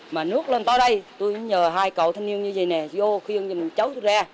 mà nước lên to đây tôi nhờ hai cậu thanh niên như vầy nè vô khiêng cho cháu tôi ra